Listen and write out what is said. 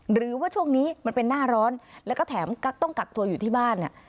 หรือว่าช่วงนี้มันเป็นหน้าร้อนแล้วก็แถมต้องกักตัวอยู่ที่บ้านเนี่ย